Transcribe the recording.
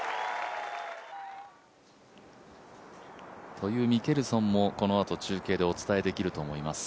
というミケルソンもこのあと中継でお伝えできると思います。